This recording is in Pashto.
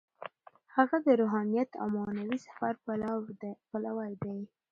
هغه د روحانیت او معنوي سفر پلوی دی.